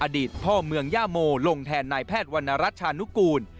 อดีตพ่อเมืองย่าโมลงแทนนายแพทย์วรรณรัชชานุกูล